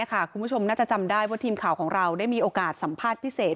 คุณผู้ชมน่าจะจำได้ว่าทีมข่าวของเราได้มีโอกาสสัมภาษณ์พิเศษ